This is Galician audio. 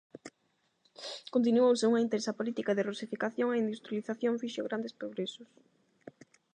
Continuouse unha intensa política de rusificación e a industrialización fixo grandes progresos.